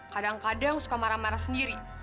kadang kadang suka marah marah sendiri